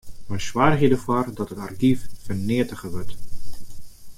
Wy soargje derfoar dat it argyf ferneatige wurdt.